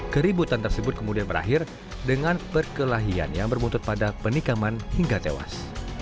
keributan tersebut kemudian berakhir dengan perkelahian yang berbuntut pada penikaman hingga tewas